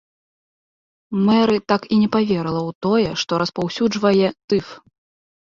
Мэры так і не паверыла ў тое, што распаўсюджвае тыф.